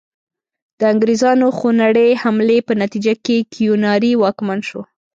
د انګریزانو خونړۍ حملې په نتیجه کې کیوناري واکمن شو.